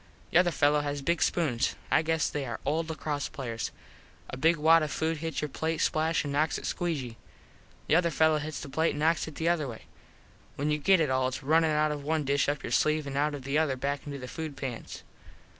The other fellos has big spoons. I guess they are old Lacross players. A big wad of food hits your plate splash an knocks it squee gee. The other fello hits the other plate an knocks it the other way. When you get it all its runnin out of one dish up your sleeve an out of the other back into the food pans.